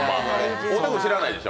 知らないでしょ？